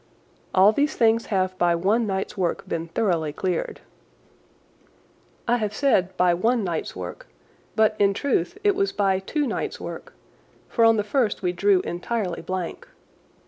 All these things have by one night's work been thoroughly cleared. I have said "by one night's work," but, in truth, it was by two nights' work, for on the first we drew entirely blank.